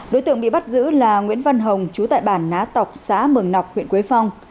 đối tượng bị bắt giữ là nguyễn văn hồng chú tại bản ná cọc xã mường nọc huyện quế phong